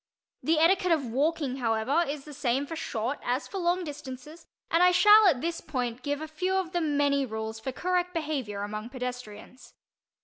The etiquette of walking, however, is the same for short as for long distances, and I shall at this point give a few of the many rules for correct behavior among pedestrians.